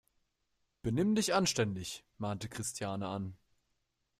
Benimm dich anständig!, mahnte Christiane an.